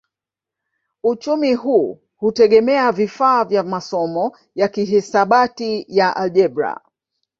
Uchumi huu hutegemea vifaa vya masomo ya kihisabati ya aljebra